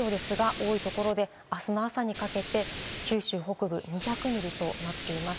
多いところで、あすの朝にかけて、九州北部２００ミリとなっています。